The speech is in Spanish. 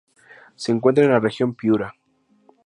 Se encuentra en la región Piura.